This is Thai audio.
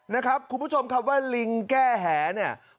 นะครับคุณผู้ชมคำว่าลิงแก้แหเนี่ย